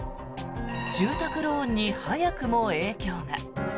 住宅ローンに早くも影響が。